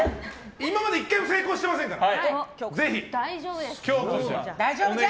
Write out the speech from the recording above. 今まで１回も成功してませんから。